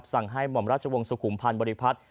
สั่งให้หม่อมราชวงศ์สุขุมพันธ์บริพัฒน์